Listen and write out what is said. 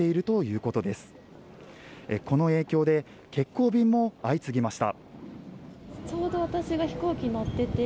この影響で欠航便も相次ぎました。